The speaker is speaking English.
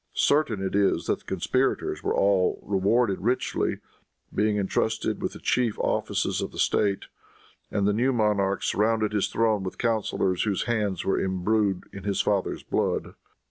Certain it is that the conspirators were all rewarded richly, by being entrusted with the chief offices of the state; and the new monarch surrounded his throne with counselors whose hands were imbrued in his father's blood.